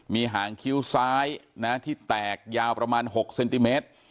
มีหางคิ้วซ้ายที่แตกยาวประมาณ๖เซนติเมตร